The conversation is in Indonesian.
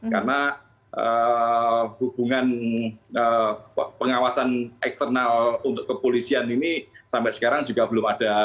karena hubungan pengawasan eksternal untuk kepolisian ini sampai sekarang juga belum ada